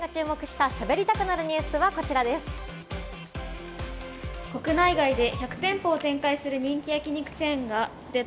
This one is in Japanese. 続いて『ＤａｙＤａｙ．』が注目した、しゃべりたくなるニュースは、こちらです。